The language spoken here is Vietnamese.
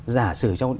giả sử trong